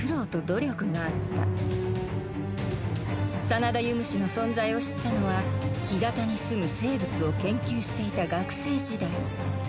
サナダユムシの存在を知ったのは干潟にすむ生物を研究していた学生時代。